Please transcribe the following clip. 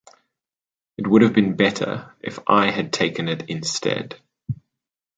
It would have been better if I had taken it instead!